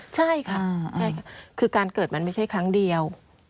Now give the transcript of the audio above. ใช่ค่ะใช่ค่ะคือการเกิดมันไม่ใช่ครั้งเดียว